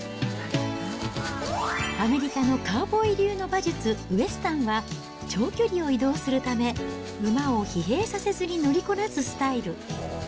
アメリカのカウボーイ流の馬術、ウエスタンは、長距離を移動するため、馬を疲弊させずに乗りこなすスタイル。